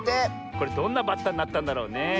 これどんなバッタになったんだろうね。